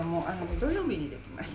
土曜日に出来ました。